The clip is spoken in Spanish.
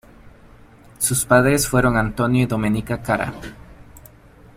Sus padres fueron Antonio y Domenica Cara.